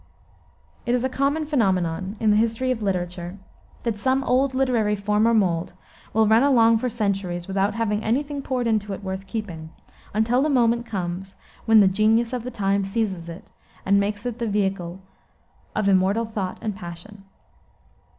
It is a common phenomenon in the history of literature that some old literary form or mold will run along for centuries without having any thing poured into it worth keeping, until the moment comes when the genius of the time seizes it and makes it the vehicle of immortal thought and passion.